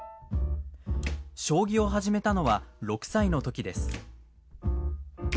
将棋を始めたのは６歳の時です。